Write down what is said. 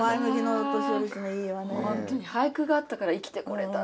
本当に俳句があったから生きてこれた。